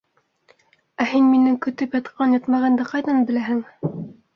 Ә һин минең көтөп ятҡан-ятмағанды ҡайҙан беләһең?